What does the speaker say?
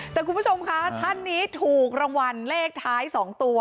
แต่คุณผู้ชมคะท่านนี้ถูกรางวัลเลขท้าย๒ตัว